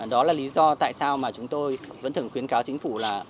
đó là lý do tại sao mà chúng tôi vẫn thường khuyến cáo chính phủ là